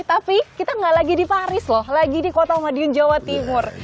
tapi kita nggak lagi di paris loh lagi di kota madiun jawa timur